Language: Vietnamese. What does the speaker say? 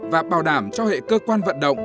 và bảo đảm cho hệ cơ quan vận động